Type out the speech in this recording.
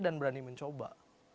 dan berani mencoba